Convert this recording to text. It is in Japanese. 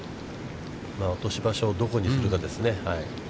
落とし場所をどこにするかですね。